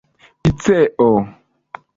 piceo